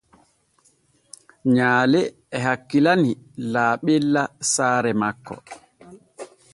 Nyaale e hakkilani laaɓella saare makko.